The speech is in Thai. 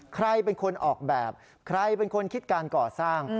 ใครเป็นคนออกแบบใครเป็นคนคิดการก่อสร้าง